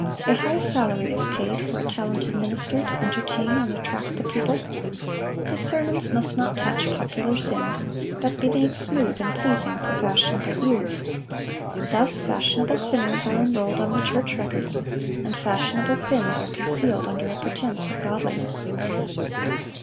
A high salary is paid for a talented minister to entertain and attract the people. His sermons must not touch popular sins, but be made smooth and pleasing for fashionable ears. Thus fashionable sinners are enrolled on the church records, and fashionable sins are concealed under a pretense of godliness.